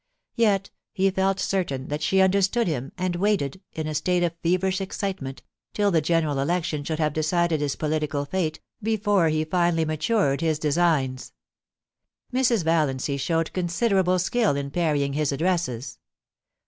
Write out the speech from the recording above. Yet, he felt certain that she understood him, and waited, in a state of feverish excite ment, till the General Election should have decided his political fate, before he finally matured his designs. Mrs. Valiancy showed considerable skill in parrying his addresses.